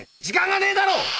時間がねえだろ！